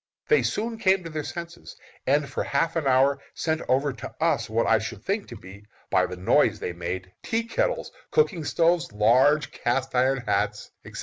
They soon came to their senses, and for half an hour sent over to us what I should think to be, by the noise they made, tea kettles, cooking stoves, large cast iron hats, etc.